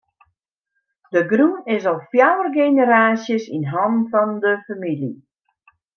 De grûn is al fjouwer generaasjes yn hannen fan de famylje.